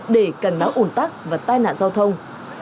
đó ổn tắc và tai nạn giao thông